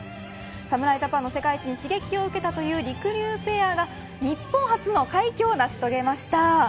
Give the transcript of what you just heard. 侍ジャパンの世界一に刺激を受けたというりくりゅうペアが日本初の快挙を成し遂げました。